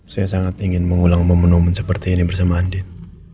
saya sangat ingin mengulang memenuhi seperti ini bersama andin